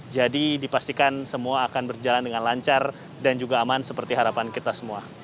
jadi dipastikan semua akan berjalan dengan lancar dan juga aman seperti harapan kita semua